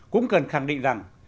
cũng cần khẳng định rằng